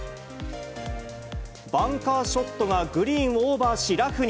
バンカーショットがグリーンをオーバーし、ラフに。